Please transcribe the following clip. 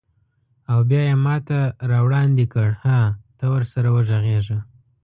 او بیا یې ماته راوړاندې کړ: هه، ته ورسره وغږیږه.